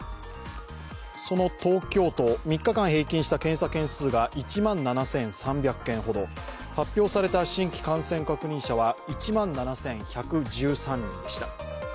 その東京都、３日間平均した検査件数が１万７３００件ほど発表された新規感染確認者は１万７１１３人でした。